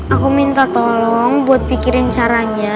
aku minta tolong buat pikirin caranya